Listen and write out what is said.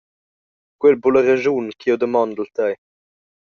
Quei ei buca la raschun che jeu damondel tei.